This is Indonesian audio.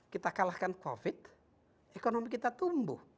kita kalahkan covid ekonomi kita tumbuh